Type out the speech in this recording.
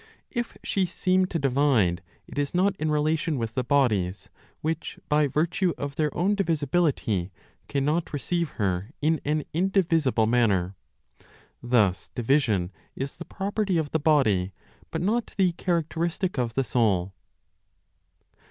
If she seem to divide, it is not in relation with the bodies, which, by virtue of their own divisibility, cannot receive her in an indivisible manner. Thus division is the property of the body, but not the characteristic of the soul.